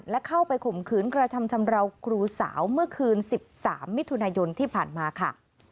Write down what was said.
และเข้าไปข่มขืนกระทำชำราวครูสาวเมื่อคืน๑๓มิถุนายนที่ผ่านมาค่ะ